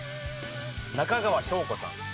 中川翔子さん。